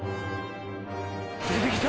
出てきた。